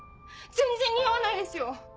全然似合わないですよ！